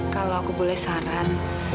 kalau aku boleh saran